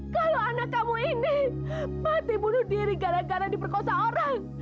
kalau anak kamu ini mati bunuh diri gara gara diperkosa orang